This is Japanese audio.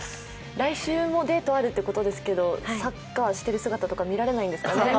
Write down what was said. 来週もデートあるってことですけど、サッカーをしてる姿とか見られないんですかね。